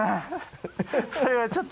それはちょっと。